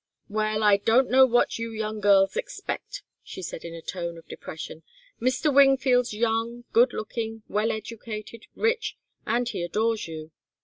"Well I don't know what you young girls expect," she said, in a tone of depression. "Mr. Wingfield's young, good looking, well educated, rich, and he adores you.